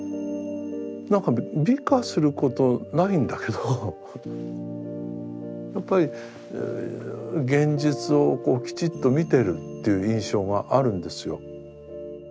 何か美化することないんだけどやっぱり現実をこうきちっと見てるという印象があるんですよ。